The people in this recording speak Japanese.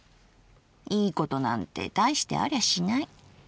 いいことなんて大してありゃしない。